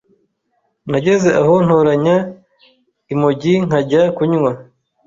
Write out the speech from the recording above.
nageze aho ntoranya imogi nkajya kunywa